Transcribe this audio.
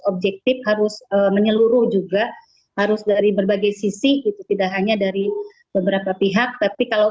objektif harus menyeluruh juga harus dari berbagai sisi itu tidak hanya dari beberapa pihak tapi kalau